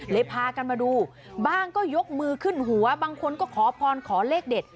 พากันมาดูบ้างก็ยกมือขึ้นหัวบางคนก็ขอพรขอเลขเด็ด